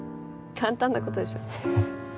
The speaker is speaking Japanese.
簡単なことでしょ